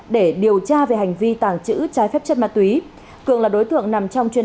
để điều tra về hành vi tàng trữ trái phép chất ma túy cường là đối tượng nằm trong chuyên